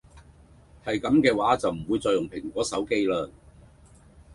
係咁既話就唔會再用蘋果手機啦